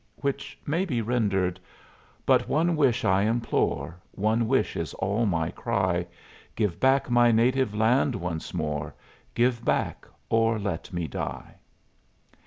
Which may be rendered: But one wish I implore, One wish is all my cry: Give back my native land once more, Give back, or let me die.